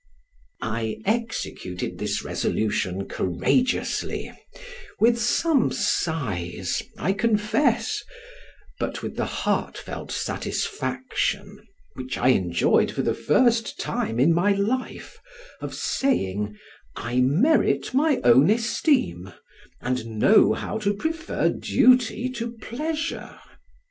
I executed this resolution courageously, with some sighs I confess, but with the heart felt satisfaction, which I enjoyed for the first time in my life, of saying, "I merit my own esteem, and know how to prefer duty to pleasure."